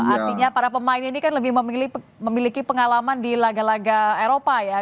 artinya para pemain ini kan lebih memiliki pengalaman di laga laga eropa ya